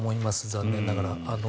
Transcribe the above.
残念ながら。